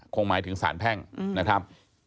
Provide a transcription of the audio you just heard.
หมายถึงสารแพ่งนะครับ